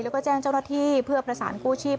แล้วก็แจ้งเจ้าหน้าที่เพื่อประสานกู้ชีพ